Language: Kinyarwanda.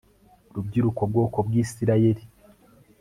rubyiruko bwoko bw'isirayeli